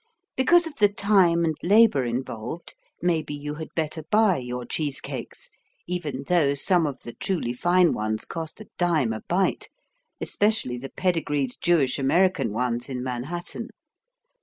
Because of the time and labor involved maybe you had better buy your cheese cakes, even though some of the truly fine ones cost a dime a bite, especially the pedigreed Jewish American ones in Manhattan.